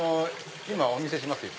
今お見せしますよ。